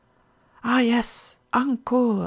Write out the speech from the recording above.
"Ah, yes! Encore!